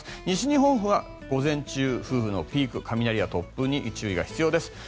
西日本は午前中風雨のピーク雷や突風に注意が必要です。